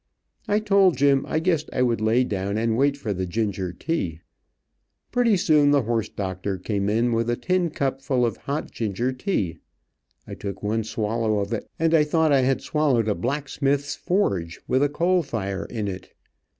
I told Jim I guessed I would lay down and wait for the ginger tea. Pretty soon the horse doctor came in with a tin cup full of hot ginger tea. I took one swallow of it and I thought I had swallowed a blacksmith's forge, with a coal fire in it.